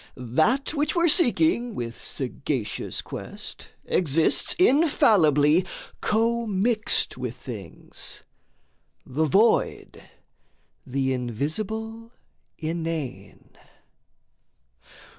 That which we're seeking with sagacious quest Exists, infallibly, commixed with things The void, the invisible inane.